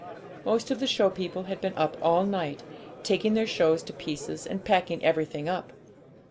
Most of the show people had been up all night, taking their shows to pieces, and packing everything up.